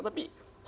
tapi sekali dia rasa